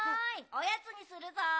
おやつにするぞ。